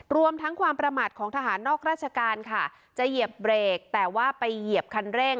รวมทั้งความประมาทของทหารนอกราชการค่ะจะเหยียบเบรกแต่ว่าไปเหยียบคันเร่ง